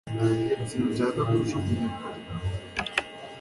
sinshaka kujugunya kure